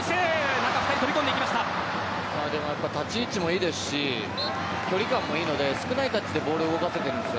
中、２人立ち位置もいいですし距離感も良いので少ないタッチでボールを動かせているんです。